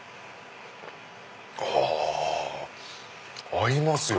合いますよ。